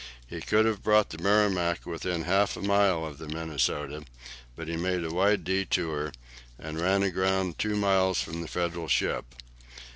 He could have brought the "Merrimac" within half a mile of the "Minnesota," but he made a wide detour, and ran aground two miles from the Federal ship.